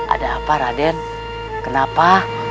ada apa raden kenapa